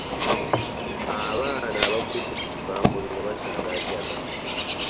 Abaana abagudde ku kibambulira bakyalaajana.